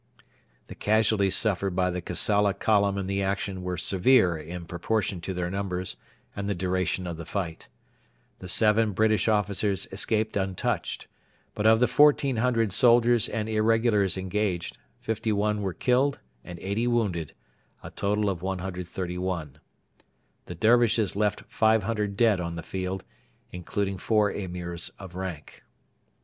The casualties suffered by the Kassala column in the action were severe in proportion to their numbers and the duration of the fight. The seven British officers escaped untouched; but of the 1,400 soldiers and irregulars engaged, 51 were killed and 80 wounded a total of 131. The Dervishes left 500 dead on the field, including four Emirs of rank.